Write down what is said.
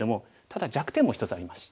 ただ弱点も一つあります。